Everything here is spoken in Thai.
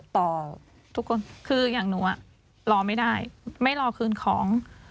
ต่อทุกคนคืออย่างหนูรอไม่ได้ไม่รอคืนของ